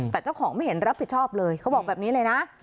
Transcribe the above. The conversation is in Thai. แต่เจ้าของไม่เห็นรับผิดชอบเลยเขาบอกแบบนี้เลยนะ